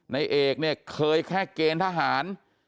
นายเอกเนี่ยเคยแค่เกรนทหาร